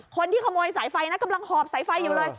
คนที่ขโมยสายไฟนะกำลังหอบสายไฟอยู่เลย